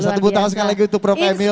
satu butang sekali lagi untuk prof emil